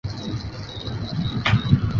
道洛什出生在布达佩斯一个犹太人家庭。